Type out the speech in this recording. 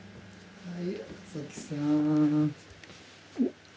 はい。